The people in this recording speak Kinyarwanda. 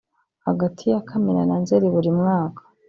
Hagati ya Kamena na Nzeli buri mwaka